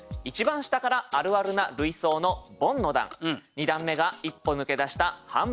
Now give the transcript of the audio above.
２段目が一歩抜け出した半ボン。